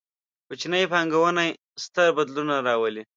کوچنۍ پانګونې، ستر بدلونونه راولي